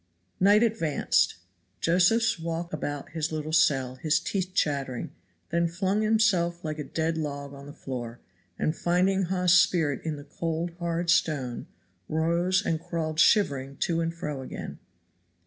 Night advanced. Josephs walked about his little cell, his teeth chattering, then flung himself like a dead log on the floor, and finding Hawes's spirit in the cold, hard stone, rose and crawled shivering to and fro again.